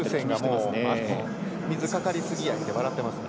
水かかりすぎってなっていますね。